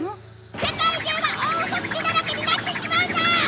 世界中が大ウソつきだらけになってしまうぞ！